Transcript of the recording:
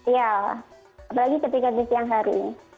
ya apalagi ketika di siang hari